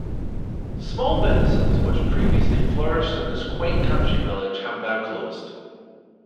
Small businesses which previously flourished in this quaint country village have now closed.